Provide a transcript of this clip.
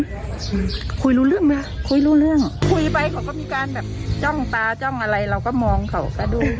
คุยรู้เรื่องไหมคุยรู้เรื่องคุยไปเขาก็มีการแบบจ้องตาจ้องอะไรเราก็มองเขาก็ดู